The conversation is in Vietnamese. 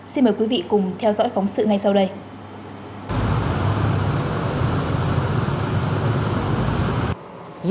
xin mời quý vị cùng theo dõi phóng sự ngay sau đây